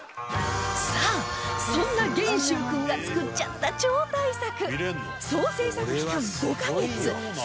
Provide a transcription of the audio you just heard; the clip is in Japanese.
さあそんな元秀君が作っちゃった超大作